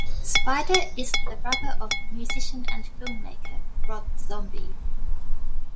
Spider is the brother of musician and filmmaker Rob Zombie.